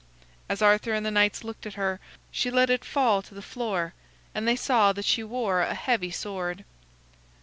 As Arthur and the knights looked at her, she let it fall to the floor, and they saw that she wore a heavy sword.